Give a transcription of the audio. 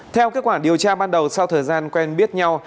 theo kết quả điều tra ban đầu sau thời gian quen biết nhau